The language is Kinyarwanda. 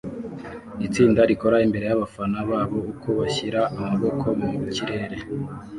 itsinda rikora imbere yabafana babo uko bashyira amaboko mukirere